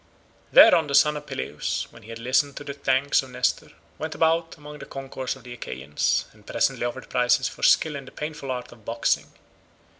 Thereon the son of Peleus, when he had listened to all the thanks of Nestor, went about among the concourse of the Achaeans, and presently offered prizes for skill in the painful art of boxing.